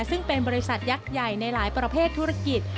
ซึ่งเป็นบริษัทยักษ์ใหญ่ในหลายประเภทธุรกิจ